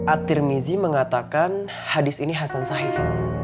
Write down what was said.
at tirmizi mengatakan hadis ini hasan sahih